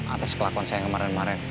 atas kelakuan saya kemaren kemaren